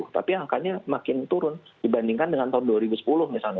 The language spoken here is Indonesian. tapi angkanya makin turun dibandingkan dengan tahun dua ribu sepuluh misalnya